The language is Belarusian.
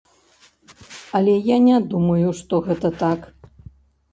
Але я не думаю, што гэта так.